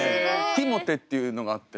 ティモテっていうのがあって。